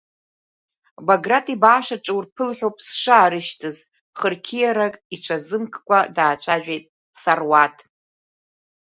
Баграт ибааш аҿы урԥыл ҳәоуп сшаарышьҭыз, хырқьиарак иҽазымкыкәа даацәажәеит Саруаҭ.